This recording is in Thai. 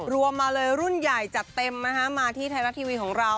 มาเลยรุ่นใหญ่จัดเต็มนะคะมาที่ไทยรัฐทีวีของเรา